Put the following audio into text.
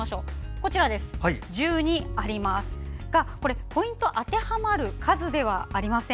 こちら、１２ありますがポイントは当てはまる数ではありません。